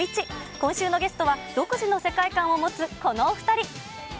今週のゲストは、独自の世界観を持つこのお２人。